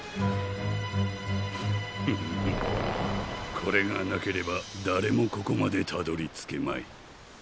これがなければだれもここまでたどりつけまい。